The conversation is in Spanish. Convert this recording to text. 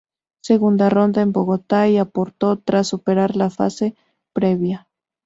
Segunda ronda en Bogotá y Oporto, tras superar la fase previa.